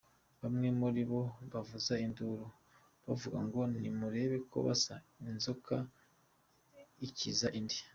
Bamwe muri bo bavuza induru, bavuga ngo ntimureba ko basa, inzoka ikiza indi.